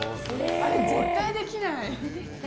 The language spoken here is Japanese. あれ、絶対できない。